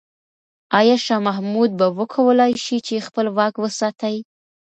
آیا شاه محمود به وکولای شي چې خپل واک وساتي؟